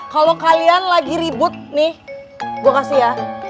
kalau kalian lagi ribut nih gue kasih ya